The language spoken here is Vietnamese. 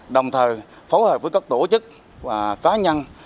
đồng thời phối hợp với các tổ chức và cá nhân